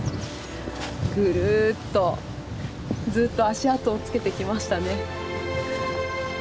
ぐるっとずっと足跡をつけてきましたね。